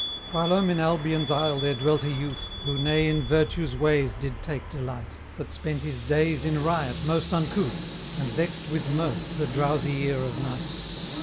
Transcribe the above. Whilome in Albion's isle there dwelt a youth, Who ne in virtue's ways did take delight; But spent his days in riot most uncouth, And vexed with mirth the drowsy ear of Night.